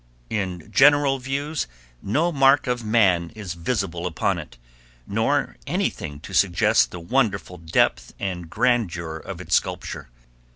In general views no mark of man is visible upon it, nor any thing to suggest the wonderful depth and grandeur of its sculpture.